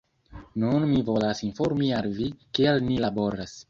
Nun mi volas informi al vi, kiel ni laboras